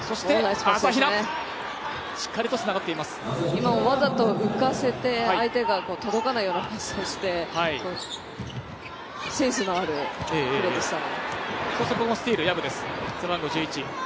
今もわざと浮かせて相手が届かないようなパスをしてセンスのあるプレーでしたね。